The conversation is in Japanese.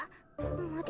待て。